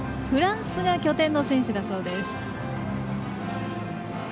フランスが拠点の選手だそうです。